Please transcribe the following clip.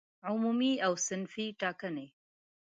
عمومي او صنفي ټاکنې